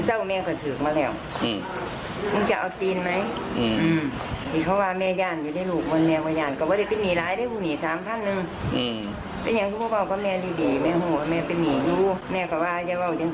ออกมา้หมี่คืออยากออกมา้แบบไส้หมี่เขาเพราะว่าไม่ขายของไม่หันมาด้วยแม่ยาน